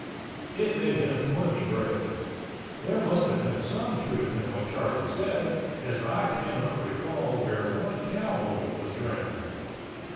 It made him plenty brave. There must have been some truth in what Charlie said, as I cannot recall where one cowboy was drowned.